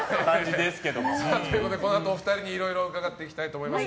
このあとお二人に、いろいろ伺っていきたいと思います。